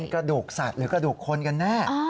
กระดูกสัตว์หรือกระดูกคนกันแน่